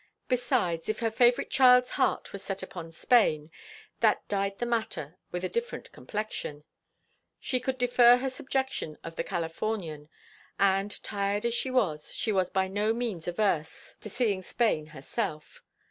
Besides, if her favorite child's heart was set upon Spain, that dyed the matter with a different complexion; she could defer her subjection of the Californian, and, tired as she was, she was by no means averse to seeing Spain herself.